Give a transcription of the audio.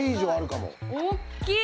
おっきい！